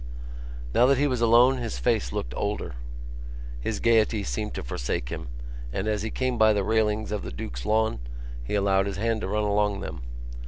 Now that he was alone his face looked older. His gaiety seemed to forsake him and, as he came by the railings of the Duke's Lawn, he allowed his hand to run along them.